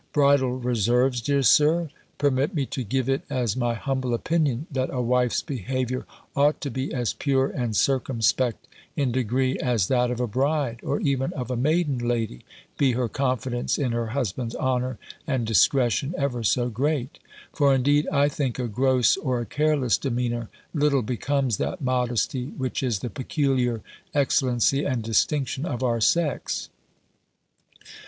"Bridal reserves, dear Sir! permit me to give it as my humble opinion, that a wife's behaviour ought to be as pure and circumspect, in degree, as that of a bride, or even of a maiden lady, be her confidence in her husband's honour and discretion ever so great. For, indeed, I think a gross or a careless demeanour little becomes that modesty which is the peculiar excellency and distinction of our sex."